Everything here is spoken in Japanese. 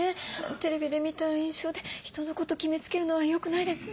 テレビで見た印象で人のこと決め付けるのはよくないですね。